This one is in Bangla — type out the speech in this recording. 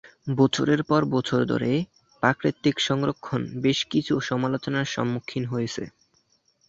বছরের পর বছর ধরে, প্রকৃতি সংরক্ষণ বেশ কিছু সমালোচনার সম্মুখীন হয়েছে।